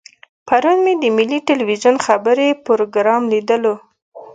پرون مې د ملي ټلویزیون خبري پروګرام لیدلو.